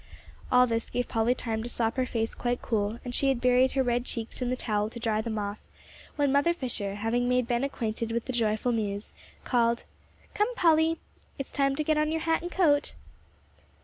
All this gave Polly time to sop her face quite cool, and she had buried her red cheeks in the towel to dry them off, when Mother Fisher, having made Ben acquainted with the joyful news, called, "Come, Polly, it's time to get on your hat and coat."